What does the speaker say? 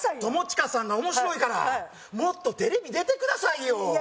友近さんが面白いからもっとテレビ出てくださいよ